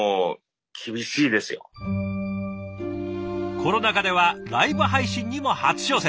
コロナ禍ではライブ配信にも初挑戦。